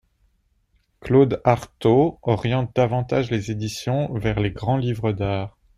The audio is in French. Claude Arthaud oriente davantage les éditions vers les grands livres d’art.